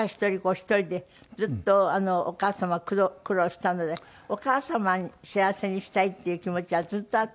一人でずっとお母様は苦労したのでお母様幸せにしたいっていう気持ちはずっとあった？